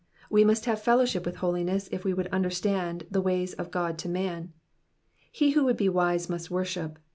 We must have fellow ship with holiness if we would understand the ways of God to man.^^ He who would be wise must worship.